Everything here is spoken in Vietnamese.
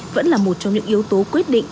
vẫn là một trong những yếu tố quyết định